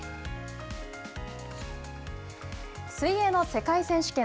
水泳の世界選手権。